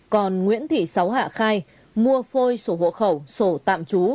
còn nguyễn thị sáu hạ khai mua phôi sổ hộ khẩu sổ tạm trú